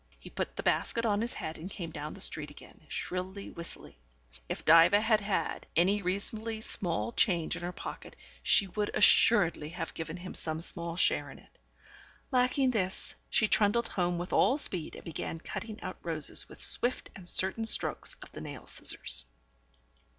He put the basket on his head and came down the street again, shrilly whistling. If Diva had had any reasonably small change in her pocket, she would assuredly have given him some small share in it. Lacking this, she trundled home with all speed, and began cutting out roses with swift and certain strokes of the nail scissors.